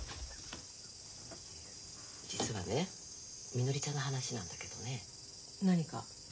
実はねみのりちゃんの話なんだけどね。何か？